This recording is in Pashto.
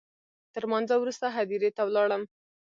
تر لمانځه وروسته هدیرې ته ولاړم.